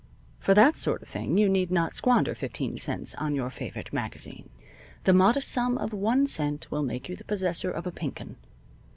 For that sort of thing you need not squander fifteen cents on your favorite magazine. The modest sum of one cent will make you the possessor of a Pink 'Un.